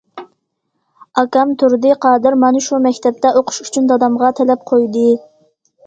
ئاكام تۇردى قادىر مانا شۇ مەكتەپتە ئوقۇش ئۈچۈن دادامغا تەلەپ قويدى.